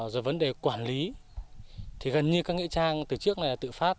rồi vấn đề quản lý thì gần như các nghĩa trang từ trước này là tự phát